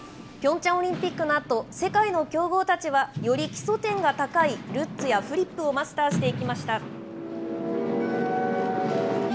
ピョンチャンオリンピックのあと、世界の強豪たちは、より基礎点が高いルッツやフリップをマスターしていきました。